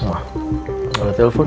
wah nggak ada telepon